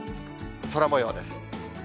空もようです。